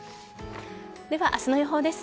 では、明日の予報です。